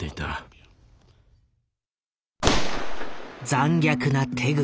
残虐な手口。